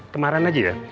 kemarin aja ya